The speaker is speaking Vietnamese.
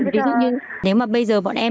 ví dụ như nếu mà bây giờ bọn em